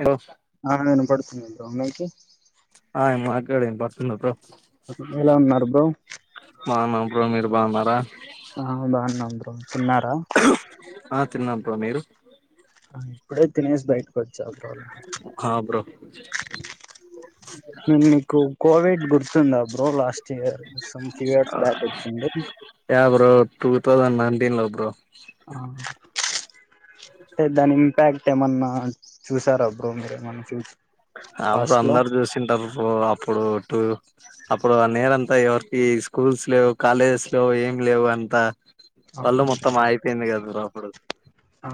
Hello ఆ నేను పడు మ్మ్ డొమ్ అయితే ఈడ ఇనపడుతుందా బ్రో ఎలా ఉన్నారు బ్రో బాగున్నాం బ్రో మీరు బాన్నారా ఆ బాగున్నాం బ్రో తిన్నారా తిన్నా బ్రో మీరు ఆ ఇప్పుడే తినేసి బయట్ కొ ఆ బ్రో నే మీకు కోవిడ్ గుర్తుంద bro last year some three years back వచ్చింది దీన్లొద్దు ఆ టే దాని ఇంపాక్ ఏమన్నా చూసారా బ్రో మీరు ఏమన్నా చూస్ ఆ బ్రో అందరు చూసింటారు బ్రో అప్పుడు టూ అప్పుడు ఆ నేరంతా ఎవరికి స్కూల్స్ లేవు కాలేజెస్ లో ఏం లేవు అంతా వళ్ళు అవును మొత్తం బ్రో ఆగిపోయింది కద బ్రో అప్పుడు ఆ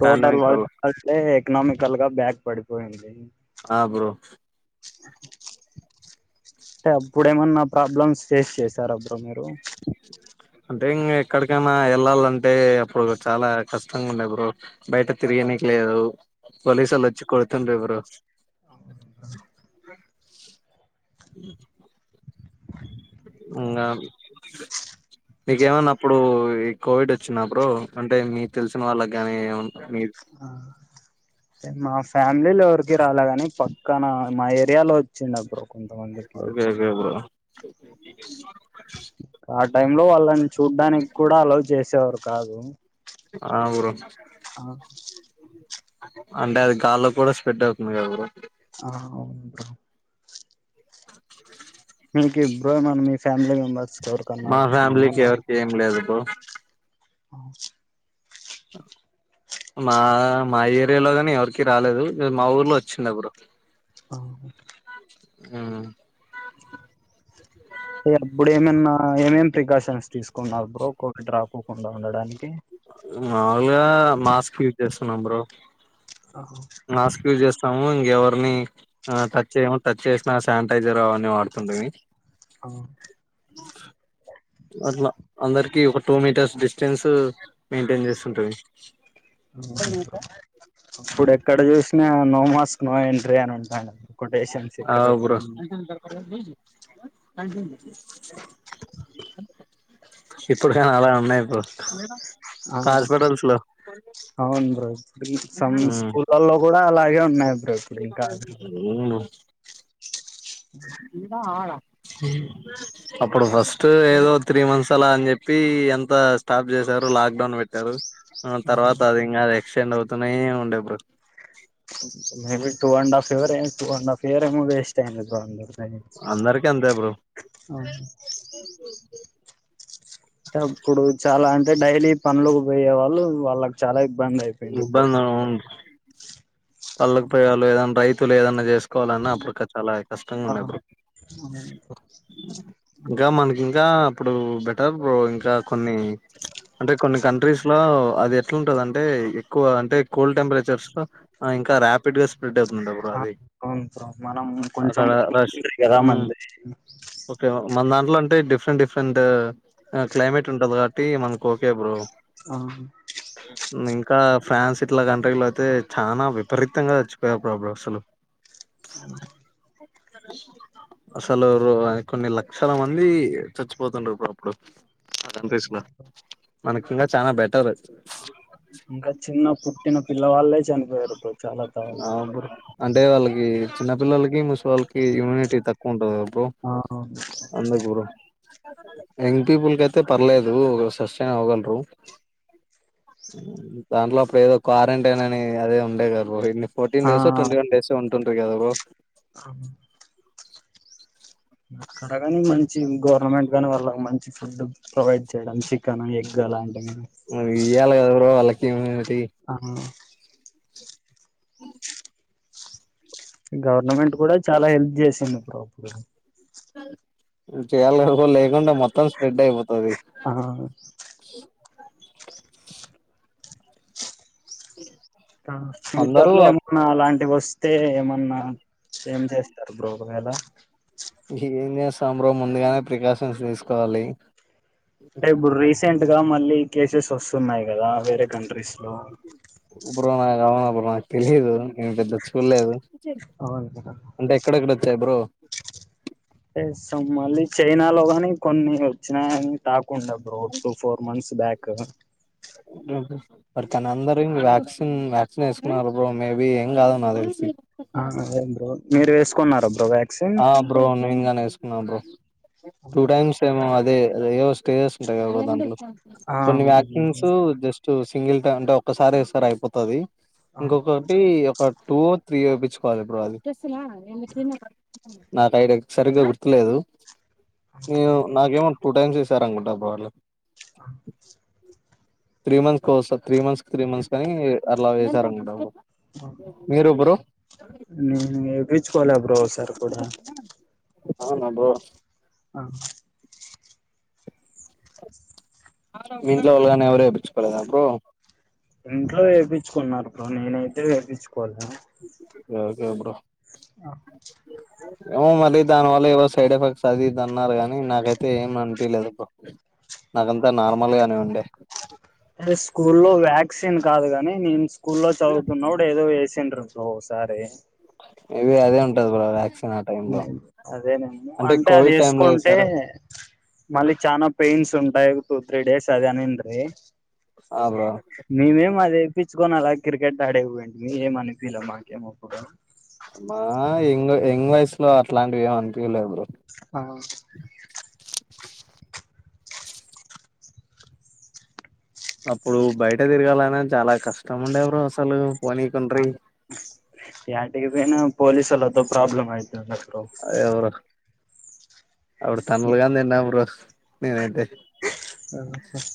టోటల్ పాండమిక్ వల్ల [unintelligible] ఎకనామికల్ గా బ్యాక్ పడి పోయింది ఆ బ్రో అంటే అప్పుడేమన్నా ప్రాబ్లమ్స్ ఫేస్ చేసార బ్రో మీరు అంటే ఇంకా ఎక్కడికన్నా ఎళ్ళాలంటే అప్పుడు చాలా కష్టంగా ఉండే బ్రో బయట తిరిగనికి లేదు పోలీసోళ్ళు వొచ్చి కొడుతుండ్రి బ్రో అవును కదా ఇంగా మీకేమన్నప్పుడు ఈ కోవిడ్ వచ్చిన్నా బ్రో అంటే మీకు తెలిసిన వాళ్ళగాని ఏమన్ ఆ మా ఫ్యామిలీలో ఎవరికి రాలే గాని పక్కన మా ఏరియాలో వచ్చిండ బ్రో కొంతమందికి అదే అదే బ్రో ఆ టైం లో వాళ్ళని చూడ్డానికి కూడా అలో చేస్ చేవర్ కాదు ఆ బ్రో అ అంటే అది గాల్లో కూడా స్ప్రెడ్ అవుతుంది గద బ్రో ఆ అవునుంట మీకి బ్రో మ మీ ఫ్యామిలీ మెంబర్స్ కి ఎవరికి కన్నా మా వచ్చిందా ఫ్యామిలీకి అలా ఎవరికి ఏం లేదు బ్రో అ మా మా ఏరియాలోగాని ఎవరికి రాలేదు మా ఊర్లో వచ్చిందప్పుడు మ్మ్ అప్పుడు ఏమైన్నా ఏమేం ప్రికాషన్స్ తీసుకున్నారు బ్రో కోవిడ్ రాకోకుండా ఉండడానికి మాములుగా మాస్క్ యూజ్ చేస్తున్నాం బ్రో మాస్క్ యూజ్ చేస్తాము ఇ ఎవరిని టచ్ ఆ చేయము టచ్ చేసినా శానిటైజర్ అవన్నీ వాడుతుంటిమి అ అట్లా అందరికి ఒక టూ మీటర్స్ డిస్టెన్స్ మెయింటెన్ చేస్తుంటిమి హూ ఇప్పుడు ఎక్కడ చూసినా నో మాస్క్ నో ఎంట్రీ అని ఉంటాండే ఆవు బ్రో ఇప్పుడు కైన అలా ఉన్నాయి బ్రో ఆహ అవును బ్రో సం స్కూల్లలో కూడా అలా గే ఉన్నాయ్ అవును ఇంకా ఆాడ అప్పుడు ఫస్ట్ ఏదో త్రీ మంత్స్ అలా అని చెప్పి ఎంత స్టాప్ చేశారు లాక్డౌన్ పెట్టారు ఆ తర్వాత అది ఇంకా అదే ఎక్స్ప్నాండ్ అయితూనే ఉండే bro maybe two and half ఎవే రే టూ అండ్ ఆఫ్ ఇయర్ మో వేస్ట్ అయ్యింది బ్రో అందరు అందరికి అంతే బ్రో ఆ టె అప్పుడు చాలా అంటే డైలీ పనులుకి పోయే వాళ్ళు వాళ్ళకి చాలా ఇబ్బంది అయిపోయింది పప్పు పప్ పల్ల ప్రయాలు ఏదన్నా రైతులు ఏదన్నా చేస్ కోవాలన్నా అప్పుడు చాలా కష్టంగా ఉండే ఆహా అప్పుడు అవును బ్రో. ఇంకా మనకి ఇంకా అప్పుడు బెటర్ బ్రో ఇంకా కొన్ని అంటే కొన్ని కన్ కంట్రీస్ లో అదెట్లుంటదంటే ఎక్కువ అంటే కూల్ టెంపరేచర్స్ లో ఆ ఇంకా రాపిడ్ స్ స్ప్రెడ్ అవుతుండ బ్రో ఆ, అది అవును బ్రో మనం కొంచెం అక్కడ రష్ ఉంటాయి కదా మ్మ్ మంది ఓకే మన దాంట్ ఎట్లాంటే డిఫరెంట్ డిఫరెంట్ క్లైమేట్ ఉంటది కాబట్టి మనకు ఓకే బ్రో ఆ కా ఫ్రాన్స్ ఇట్లా కంట్రీలో అయితే చాలా విపరీతంగా చచ్చిపోయారు బ్రో అప్పుడు అసలు అసలు రొ కొన్ని లక్షల మంది చచ్చిపోతుండ్రి బ్రో అప్పుడు కంట్రీస్ లో మనకి ఇంగా చానా బెటరు ఇంకా చిన్నప్పు చిన్న పిల్ల వాళ్లే చనిపోయరు ప్రొ ఆ బ్రో అంటే వాళ్ళకి చిన్న పిల్లలకి ముస్ వాళ్కి ఇమ్యూనిటీ తక్కువ ఉంటంది కదా బ్రో ఆ అవును అందుకు బ్రో యంగ్ పీపుల్ కయితే పర్లేదు ఒక సస్టైన్ అవ్వగలరు దాంట్లో అప్పుడు ఏదో క్వారంటైన్ అని అదే ఉండే కద [unintelligible] ఫోటీన్ ఆ డేసో ట్ంటీ వన్డేసో ఉంటు టే కదా బో అవును అక్కడ గాని మంచి గవర్నమెంట్ గాని వాళ్ళ మంచి ఫుడ్ ప్రొవైడ్ చేయడం చికెన్ ఎగ్ అలాన్ వియ్యాల కదా బ్రో వాళ్ళ తిమ్మిది అ గవర్నమెంట్ గూడా చాలా హెల్ప్ చేసింది బ్రో అప్పుడు చేయాలి గదా బ్రో లేకుంటే మొత్తం స్ప్రెడ్ అయిపో తది ఆ ఫ్యూచర్ అందరూ లో ఏమన్నా అలాంటి వస్ స్తే ఏమన్నా ఏం చేస్తారు బ్రో వేళ ఏం చేస్తామ్ బ్రో ముందుగానే ప్రికాషన్స్ తీసుకోవాలి అంటే ఇప్పుడు రీసెంట్గా మ ళ్ళీ కేసెస్ వస్తున్నాయి కదా వేరే కంట్రీస్ లో బ్రో అది అవునా బ్రో నాకు తెలీదు నేన్ పెద్ద చూల్లేదు అవును కదా అంటే ఎక్కడెక్కడ వచ్చాయి బ్రో సో మళ్ళీ చైనా లో గాని కొన్ని వచ్చినాయని టాక్ ఉండె bro two four months back కు బట్ కాని అందరు ఇంగ వ్యాక్సిన్ వ్యాక్సిన్ ఏసుకున్నారు బ్రో మేబి ఏం కాదు నా తెలిసి ఆ అదే బ్రో మీరు వేసుకున్నారా బ్రో వ్యాక్సిన్ కున్నాం బ్రో టూ టైమ్స్ ఏమో అ దే అదే ఏవో స్టేజస్ ఉంటాయి కదా బో దాంట్లో ఆ కొన్ని అవును వ్యాకింగ్స్ బ్రో తూ జస్టూస్ సింగిల్ టైం అంటే ఒక్కసారే ఇస్తరు అయిపోతది ఇంకొకటి ఒక టూ త్రీ ఏపిచ్చుకోవాలి బ్రో అది నాకు ఐడయ సరిగ్గా గుర్తులేదు ఏమో నాకేమో టూ టైమ్స్ ఇస్ తరం గుంటా బోర్లే త్రీ మంత్స్ కో సా త్ర్రి మంత్స్ త్రీ మంత్స్ కనీ అట్లా వేసార అనుకుంటా బ్రో మీరు బ్రో నేను ఏపి చ్చు కోలా బ్రో ఓసారి కూడా అవునా బ్రో ఆ మీ ఇంట్లో వాల్లుగానీ ఎవరు వేపిచ్చుకోలేదా బ్రో ఇంట్లో వేపిచ్చుకున్నారు బ్రో నేనయితే వేపిచ్చుకోలా ఓకే బ్రో అ ఏమో మళ్ళీ దానివల్ల ఏవో సైడ్ ఎఫెక్ట్స్ అది ఇది అన్నారు గానీ నాకైతే ఏం అనిపిలేదు ఇప్పుడు నాకంతా నార్మల్ గానే ఉండే వాక్సిన్ కాదుకాని నేన్ స్కూల్లో చదువుతున్నవుడు ఏదో వేసి [unintelligible] ఓసారి మే బీ అదే ఉంటది బ్రో వ్యాక్స్ అదే నేను అంటే అది కోవిడ్ టైమ్ లో వేసుకుంటే వేసారా మళ్ళీ చానా పెయిన్స్ ఉంటాయ్ టూ త్రీ డేస్ అదే అని ఉంటది ఆ బ్రో మేమేం అదేం ఇప్పించుకొని అలా క్రికెట్ ఆడేకి పోయింటిమి ఏం అనిపిలా మాకేం ఎప్పుడు మా ఎంగ్ ఎంగ్ వయసులో అట్లాంటివి ఏం అనిపిలేదు హా అప్పుడు బయట తిరగాలని చాలా కష్టం ఉండ్యా బ్రో అసలు పోనీకంట్రి యాటికి పోయిన పోలీసుల్లోతో ప్రాబ్లమ్ ఐ ఉన్నతో అదే బ్రో అప్పుడు తన్నులు గాని తిన్నా బ్రో నేనైతే ఆ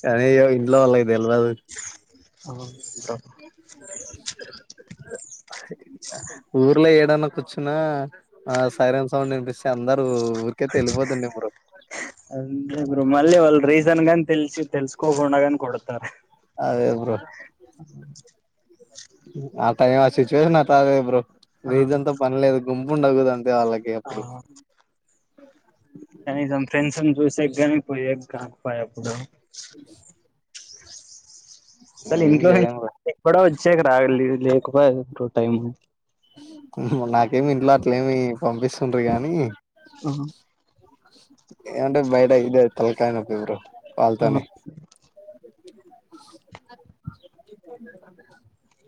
కానీ ఇంట్లో వాళ్ళకి తెలవదు ఆ [inaudible] ఊర్లో ఏడన్నా కూర్చున్నా ఆ సైరం సౌండ్ వినిపిస్తే అందరు ఊరికైతే వెళ్ళిపోతుండు ఇప్పుడు ఊ మళ్ళి వాళ్ళు రీసన్ గాని తెలిసి తెలుసుకోకుండా కాని కొడతారు అదే బ్రో ఆ టైమ్ ఆ సిట్యుయేషన్ నాకి రాలేదు బ్రో ఆ వేదాంతం పన్లేదు గుంపు ఉండా కదా దళ్ళకే ఆ అప్పుడు కనీసం ఫ్రెండ్స్ని చూసేకి గానీ పోయే కాకపోయ అప్పుడు [unintelligible] సార్ ఏం ఇంలోడ చేయలేం బ్రో [inaudible] చ్చేక రాగ లేకపోయె టైమ్ నాకేమి ఇంట్లో అట్లేమి పంపిస్తుండ గాని ఆ ఏంట బయట ఇదే తలకాయ నొప్పి బ్రో ఆ వాల్తనే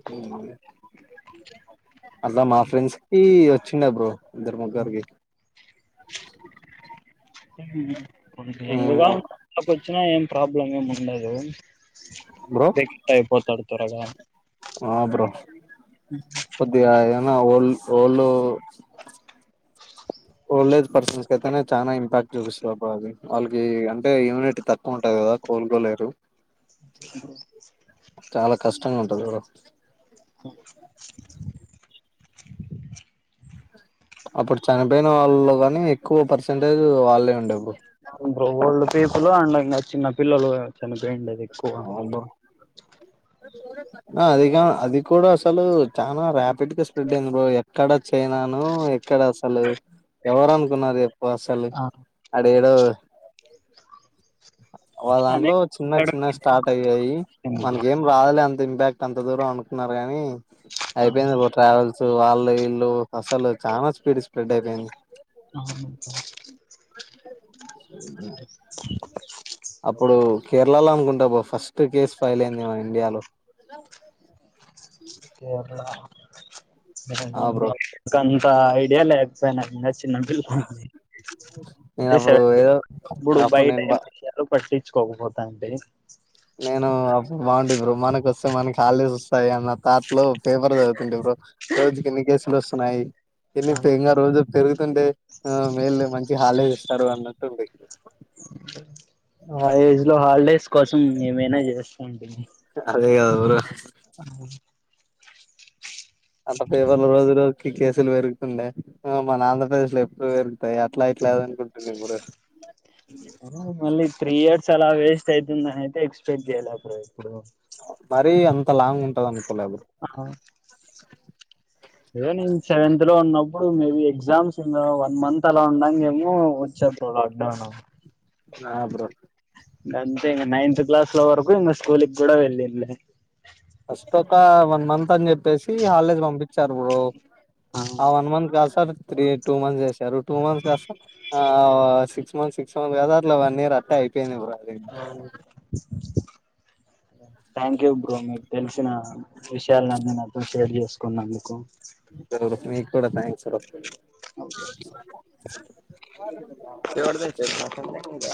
[unintelligible] అలా మా ఫ్రెండ్కి చిన్న బ్రో ఇద్దర్ ముగ్గారుకి హ్మ్మ్ ఎంగ కా [inaudible] వచ్చినా ఏం ప్రాబ్లం ఏమి ఉండదు బ్రో ద టయిపోతడు త్వరగా ఆ బ్రో కొద్దియన్న వాఓల్ ఓళ్ళ ఓల్డజ్ పర్సన్స్ అయితేనే చాలా ఇంపాక్ట్ చూపిస్తుంది, అబ అది వాళ్ళకి అంటే యూనిటీ తక్కువ ఉంటది కదా కోలుకోలేరు చాలా కష్టంగా ఉంటది బ్రో అప్పుడు చనిపోయిన వాళ్ళలో కానీ ఎక్కువ పర్సంటేజ్ వాళ్ళే ఉండే బ్రో బ్రోళ్లు పేపులు అండ్ ఇంకా చిన్న పిల్లలు చనిపోండది ఎక్కువ అవును బ్రో అదిగా అది కూడా అసలు చనారాయాపిడ్గా స్ప్రెడ్ అయింది బ్రో, ఎక్కడ చైనాను ఎక్కడ అసలు ఎవరు అనుకున్నారు బసలు ఆ ఆడి ఏడు వాళ్ల దాంట్లో అనేక చిన్న చిన్న స్టార్ట్ అయ్యాయి మనక ఏం రా అ అంత ఇంపాక్ట్ అంత దూరం అనుకున్నారు గాని అయిపోయి పో ట్రావెల్స్ వాళ్ళ వీళ్ళు అసలు చాలా స్పీడ్ స్ప్రెడ్ అయిపోయింది అ అప్పుడు కేరళ చాల అనుకుంటా బా ఫస్ట్ కేసు ఫైల్ అయింది మన ఇండియాలో కేరళ ఆ బ్రో అంత ఐడియా లే [unintelligible] చిన్నపిల్ల ఉంది నేను అప్పుడు ఏదో ఇప్పుడు అప్పుడు బయట నేను బ ఏం విషయాల పట్టి తెచ్చుకోకపోతా అండి నేను అప్పుడు బాగుంటి బ్రో మనకు వస్తే మనకి హాలిడేస్ వస్తాయి అన్న తాట్లో ఫేపర్ చదువుతుంటి బ్రో రోజుకి ఎన్ని కేసులు వస్తున్నాయి ఎన్ని ఇం రోజు పెరు టే ఆ మేల్ మంచి హాలీడేస్ ఇస్తారు అన్నట్టుండయి ఆ ఏజ్ లో హాలిడేస్ కోసం ఏమైనా చేస్తూ ఉంటి మీ అదే కాదా బ్రో అ పేపర్ల రోజు రోజు కేసులు పెరుగుతుండే ఆ మన ఆంధ్రప్రదేశ్ లో ఎప్పుడు పెరుగుతాయి అట్లా ఇట్లా అనుకుంటు మీ ఊర ఆ మళ్ళీ త్రీ ఇయర్స్ అలా వేస్ట్ అయితుందనయితే ఎక్స్పెక్ట్ చేయలే బ్రో ఎప్పుడు మరీ అంత లాంగ్ ఉంటది అను ఆ ఏదో నేను సెవెంత్ లో ఉన్నప్పుడు మేబి ఎగ్జామ్స్ ఉన్న వన్ మంత్ అలా ఉండంగా ఏమో వచ్చ బ్రో లాక్డౌన్ ఆ బ్రో అంతే ఇంగ నైన్త్ క్లాస్ లో వరకు ఇంక స్కూల్కి కూడా వెళ్ళిండ్ల ఫస్ట్ ఒక వన్ మంత్ అని చెప్పేసి హాలిడేస్ పంపిచ్చారు బ్రో ఆ వన్ మంత్ కాసార్ త్రీ టూ మంత్స్ చేసారు టూ మంత్స్ కాస్తా ఆ సిక్స్ మంత్స్ సిక్స్ మంత్ కాస్తా అట్లా వన్ ఇయర్ అట్టే అయిపోయింది బ్రో అది ఇంగ అవును థ్యాక్ యు బ్రో మీకు తెల్స్ సిన విషయాలను అన్నీ నాతో షేర్ చేసుకున్నందకు [unintelligible] త్రి కూడ థాంక్స్ రో ఎవరిదైతే